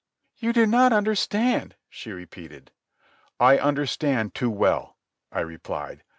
"You do not understand," she repeated. "I understand too well," I replied.